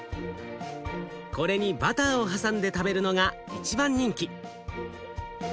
これにバターを挟んで食べるのが一番人気。